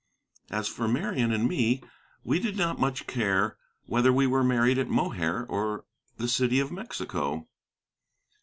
As for Marian and me, we did not much care whether we were married at Mohair or the City of Mexico.